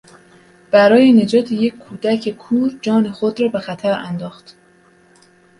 برای نجات یک کودک کور جان خود را به خطر انداخت.